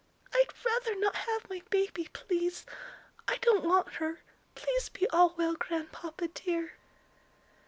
"I'd rather not have my baby, please; I don't want her. Please be all well, Grandpapa, dear."